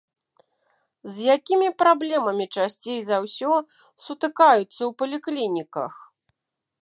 З якімі праблемамі часцей за ўсё сутыкаюцца ў паліклініках?